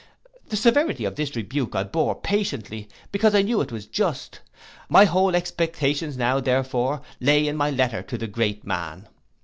—The severity of this rebuke I bore patiently, because I knew it was just. My whole expectations now, therefore, lay in my letter to the great man.